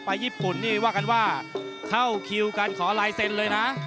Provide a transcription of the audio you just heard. ญี่ปุ่นนี่ว่ากันว่าเข้าคิวกันขอลายเซ็นต์เลยนะ